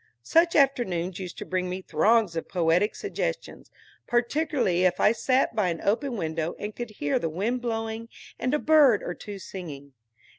Such afternoons used to bring me throngs of poetic suggestions, particularly if I sat by an open window and could hear the wind blowing and a bird or two singing.